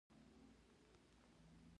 سافټویر مې سمه نصب نه شوه.